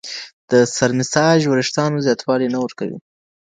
د سر مساژ د وریښتانو زیاتوالی نه ورکوي.